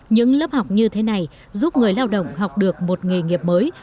những lớp học như thế này giúp người lao động học được một nghề nghiệp mới